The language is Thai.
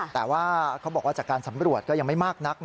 แต่ว่าเขาบอกว่าจากการสำรวจก็ยังไม่มากนัก